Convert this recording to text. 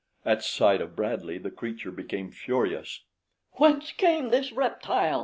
At sight of Bradley the creature became furious. "Whence came this reptile?"